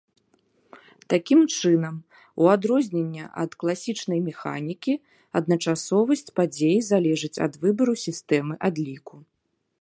Такім чынам, у адрозненне ад класічнай механікі, адначасовасць падзей залежыць ад выбару сістэмы адліку.